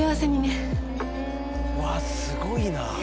うわすごいな。